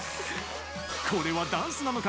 これはダンスなのか？